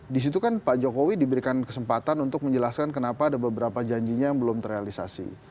di situ kan pak jokowi diberikan kesempatan untuk menjelaskan kenapa ada beberapa janjinya yang belum terrealisasi